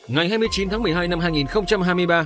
ngày hai mươi chín tháng một mươi hai năm hai nghìn hai mươi ba